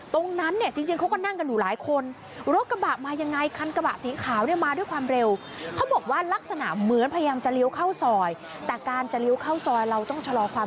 ตรงนั้นเนี่ยจริงเขาก็นั่งกันอยู่หลายคน